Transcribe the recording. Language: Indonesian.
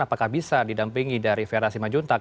apakah bisa didampingi dari fera siman juntag